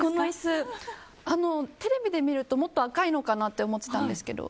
テレビで見るともっと赤いのかなって思ってたんですけど。